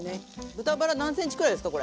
豚バラ何センチくらいですか？